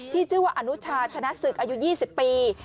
ชื่อว่าอนุชาชนะศึกอายุ๒๐ปี